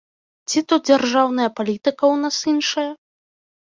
Ці то дзяржаўная палітыка ў нас іншая?